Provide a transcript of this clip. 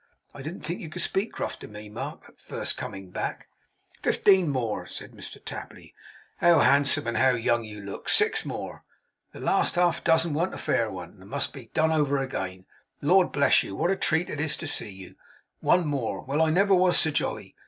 I didn't think you could speak gruff to me, Mark, at first coming back.' 'Fifteen more!' said Mr Tapley. 'How handsome and how young you look! Six more! The last half dozen warn't a fair one, and must be done over again. Lord bless you, what a treat it is to see you! One more! Well, I never was so jolly.